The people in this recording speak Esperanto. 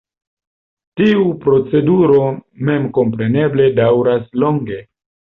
Tiu proceduro memkompreneble daŭras longe.